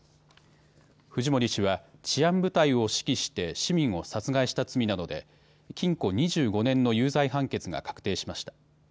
フジモリ氏は治安部隊を指揮して市民を殺害した罪などで禁錮２５年の有罪判決が確定しました。